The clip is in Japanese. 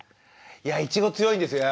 いやいちご強いんですよ